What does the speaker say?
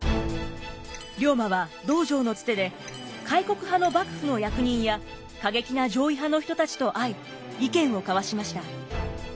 龍馬は道場のツテで開国派の幕府の役人や過激な攘夷派の人たちと会い意見を交わしました。